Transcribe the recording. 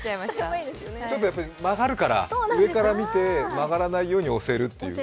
ちょっとやっぱり曲がるから、上から見て曲がらないように押せるという。